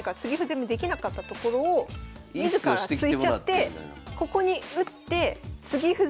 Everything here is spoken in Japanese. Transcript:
攻めできなかったところを自ら突いちゃってここに打って継ぎ歩